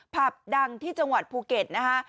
ผับดังที่จังหวัดภูเก็ตนะคะ